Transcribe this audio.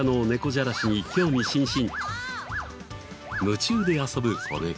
夢中で遊ぶ子猫。